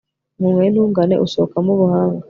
umunwa w'intungane usohokamo ubuhanga